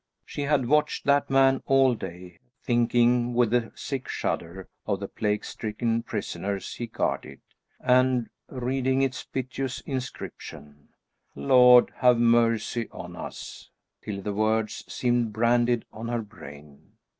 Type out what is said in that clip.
She had watched that man all day, thinking, with a sick shudder, of the plague stricken prisoners he guarded, and reading its piteous inscription, "Lord have mercy on us!" till the words seemed branded on her brain.